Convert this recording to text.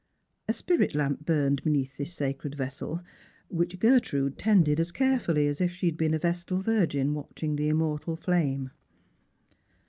ft spirit lamp burned beneath this sacred vessel, which Gertrude tended as carefully as if she had been a vestal virgin watching ihe immortal flame.